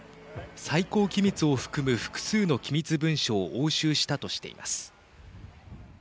最高機密を含む複数の機密文書を押収したとしています。